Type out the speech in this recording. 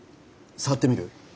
触ってみる？